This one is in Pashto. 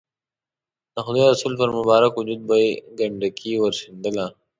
د خدای رسول پر مبارک وجود به یې ګندګي ورشیندله.